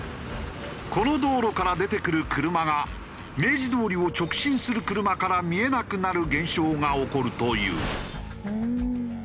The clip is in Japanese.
この道路から出てくる車が明治通りを直進する車から見えなくなる現象が起こるという。